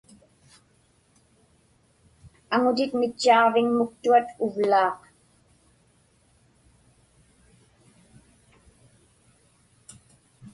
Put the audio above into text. Aŋutit mitchaaġviŋmuktuat uvlaaq.